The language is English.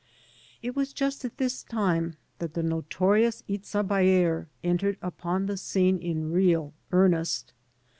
It was just at this time that the notorious Itza Baer entered upon the scene in real earnest.